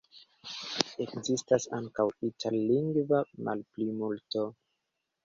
Ekzistas ankaŭ itallingva malplimulto.